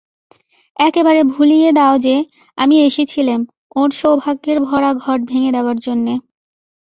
একেবারে ভুলিয়ে দাও যে, আমি এসেছিলেম ওঁর সৌভাগ্যের ভরা ঘট ভেঙে দেবার জন্যে।